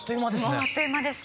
もうあっという間です。